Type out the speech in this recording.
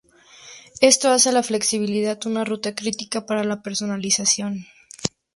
Esto hace a la flexibilidad una ruta crítica para la personalización.